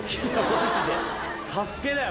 『ＳＡＳＵＫＥ』だよ